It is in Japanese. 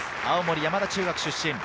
青森山田中学出身。